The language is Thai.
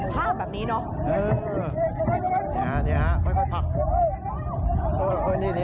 เธอไม่ค่อยเห็นภาพแบบนี้เนอะ